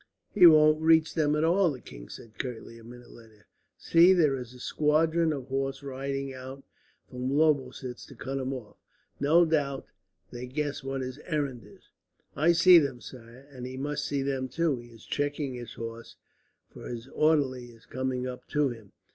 "He won't reach them at all," the king said curtly, a minute later. "See, there is a squadron of horse riding out from Lobositz, to cut him off. No doubt they guess what his errand is." "I see them, sire, and he must see them, too. He is checking his horse, for his orderly is coming up to him."